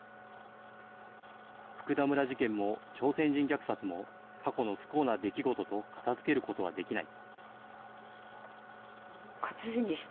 福田村事件も、朝鮮人虐殺も、過去の不幸な出来事と片づけることはできない。